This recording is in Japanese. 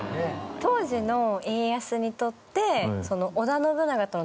当時の家康にとって。